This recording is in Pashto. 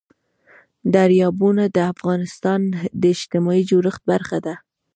دریابونه د افغانستان د اجتماعي جوړښت برخه ده.